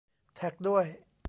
แท็กด้วย